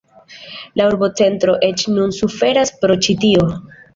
La urbocentro eĉ nun suferas pro ĉi tio.